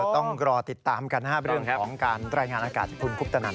ต้องรอติดตามกันห้าเป็นเรื่องของการแรงงานอากาศภูมิคุกตะนั้นนะครับ